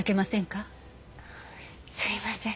すいません。